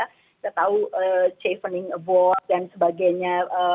kita tahu chaffening award dan sebagainya